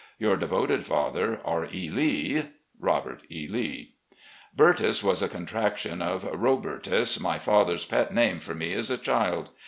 "Your devoted father, "R. E. Lee. "Robert E. Lee.'' "Bertus" was a contraction of Robertus, my father's pet name for me as a child.